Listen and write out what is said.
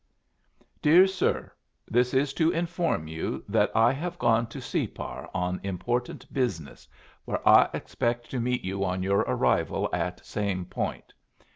"DEAR SIR this is to Inform you that i have gone to Separ on important bisness where i expect to meet you on your arrival at same point.